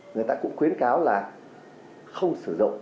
người ta cũng khuyến cáo là không sử dụng